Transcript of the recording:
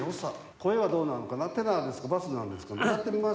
声はどうなのかな？